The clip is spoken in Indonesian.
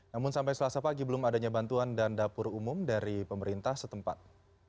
namun sampai selasa pagi belum adanya bantuan dan dapur umum dari pemerintah setempat